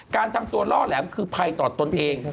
การทำตัวล่อแหลมคือภัยต่อตนเอง